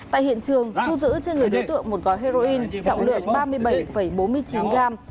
tại hiện trường thu giữ trên người đối tượng một gói heroin trọng lượng ba mươi bảy bốn mươi chín gram